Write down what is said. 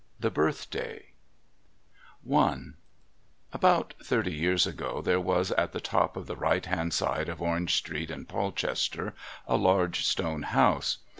THE BIRTHDAY I About thirty years ago there was at the top of the right hand side of Orange Street, in Polchester, a large stone house.